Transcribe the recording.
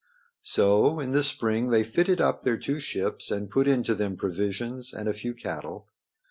So in the spring they fitted up their two ships and put into them provisions and a few cattle.